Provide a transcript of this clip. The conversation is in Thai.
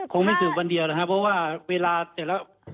เค้าคงไม่สืบวันเดียวเลยครับเพราะว่าเวลาในเวลา